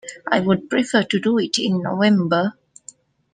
I would prefer to do it in November.